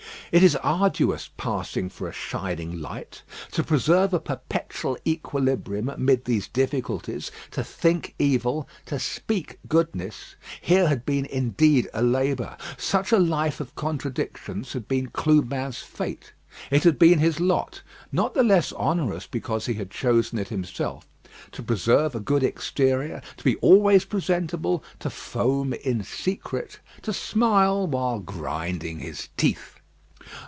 It is arduous passing for a shining light. To preserve a perpetual equilibrium amid these difficulties, to think evil, to speak goodness here had been indeed a labour. Such a life of contradictions had been Clubin's fate. It had been his lot not the less onerous because he had chosen it himself to preserve a good exterior, to be always presentable, to foam in secret, to smile while grinding his teeth.